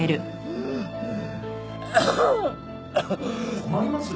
困ります！